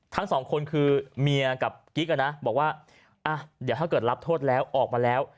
ทั้งสองคนคือเมียกับกิ๊กอ่ะนะบอกว่าอ่ะเดี๋ยวถ้าเกิดรับโทษแล้วออกมาแล้ว